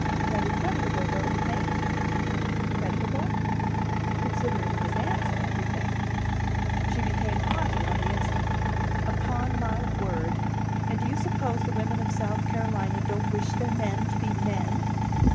"Rather creditable, don't you think?" "Creditable?" "Considering his aunts and everything." She became haughty on the instant. "Upon my word! And do you suppose the women of South Carolina don't wish their men to be men?